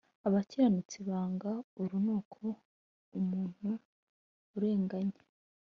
Abakiranutsi banga urunuka umuntu urengany